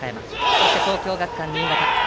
そして、東京学館新潟。